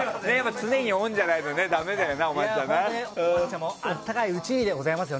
常にオンじゃないとだめだよね。